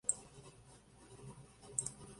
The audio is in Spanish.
Por lo tanto, sus votos fueron anulados.